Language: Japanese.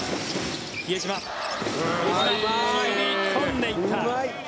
比江島、踏み込んでいった。